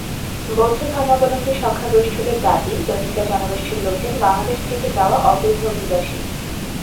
বৌদ্ধধর্মাবলম্বী সংখ্যাগরিষ্ঠদের দাবি, রোহিঙ্গা জনগোষ্ঠীর লোকজন বাংলাদেশ থেকে যাওয়া অবৈধ অভিবাসী।